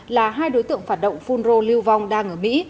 là hai đối tượng phản động phun rô lưu vong đang ở mỹ